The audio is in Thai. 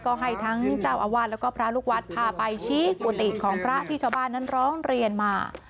ก็ให้ทั้งเจ้าอาวาสแล้วก็พระลูกวัดพาไปชี้กุฏิของพระที่ชาวบ้านนั้นร้องเรียนมา